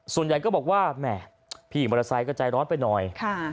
ส่วนใหญ่ก็บอกว่าแหม่พี่มอเตอร์ไซค์ก็ใจร้อนไปหน่อย